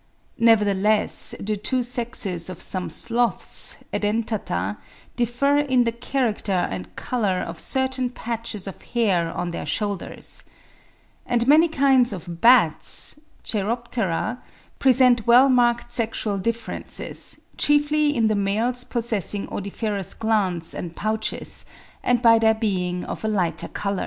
Nevertheless the two sexes of some sloths (Edentata) differ in the character and colour of certain patches of hair on their shoulders. (13. Dr. Gray, in 'Annals and Magazine of Natural History,' 1871, p. 302.) And many kinds of bats (Cheiroptera) present well marked sexual differences, chiefly in the males possessing odoriferous glands and pouches, and by their being of a lighter colour.